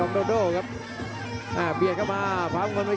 โอ้โหไม่พลาดกับธนาคมโด้แดงเขาสร้างแบบนี้